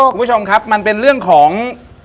คุณผู้ชมครับมันเป็นเรื่องของ